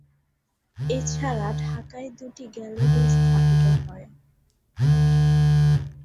এছাড়া ঢাকায় দুটি গ্যালারি স্থাপিত হয়।